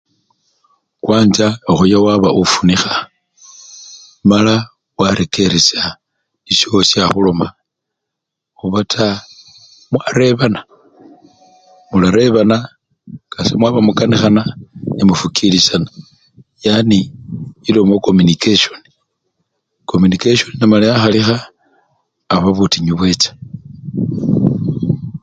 Kwancha okhoya waba ofunikha mala warekeresya nisyo owasyowo akhuloma obata mwarebana, mularebana kasita mwaba mukanikhana, nemufukilisyana yani elomo komyunikesyoni, komyunikesyoni enamala yakhalikha, aba butinyu bwecha.